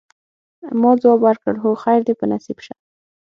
ما ځواب ورکړ: هو، خیر دي په نصیب شه.